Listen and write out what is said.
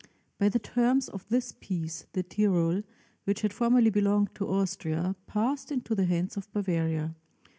By the terms of this peace, the Tyrol, which had formerly belonged to Austria, passed into the hands of Bavaria.